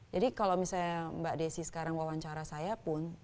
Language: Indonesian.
jadi kalau misalnya mbak desy sekarang wawancara saya pun